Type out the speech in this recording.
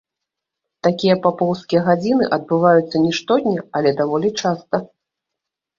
Такія папоўскія гадзіны адбываюцца не штодня, але даволі часта.